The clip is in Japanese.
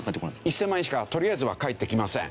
１０００万円しかとりあえずは返ってきません。